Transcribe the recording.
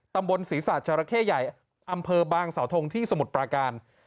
ตำบลศรีษะเจราะแข้ใหญ่อำเภอบางเสาโทงที่สมุทรปลาการ